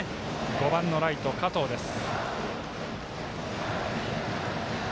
５番のライト、加藤です。